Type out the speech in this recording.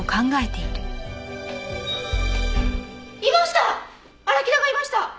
いました！